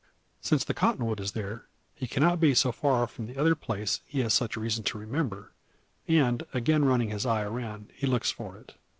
Since the cottonwood is there, he cannot be so far from the other place, he has such reason to remember; and, again running his eye around, he looks for it.